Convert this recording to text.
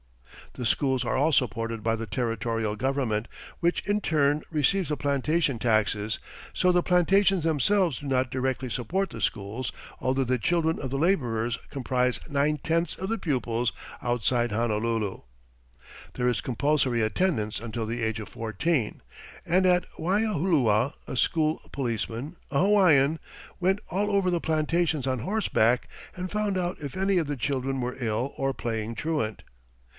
"The schools are all supported by the territorial government, which in turn receives the plantation taxes, so the plantations themselves do not directly support the schools, although the children of the labourers comprise nine tenths of the pupils outside Honolulu. "There is compulsory attendance until the age of fourteen, and at Waialua a school policeman a Hawaiian went all over the plantations on horseback and found out if any of the children were ill or playing truant."